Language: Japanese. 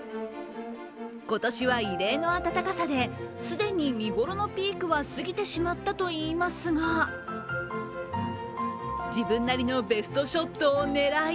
今年は異例の暖かさで既に見頃のピークは過ぎてしまったといいますが自分なりのベストショットを狙い